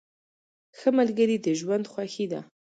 ښه ملګري د ژوند خوښي ده.